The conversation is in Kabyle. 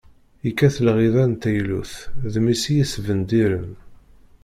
Yekkat lɣiḍa n teylut, d mmi-s i yesbendiren.